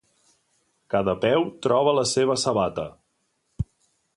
Cada peu troba la seva sabata.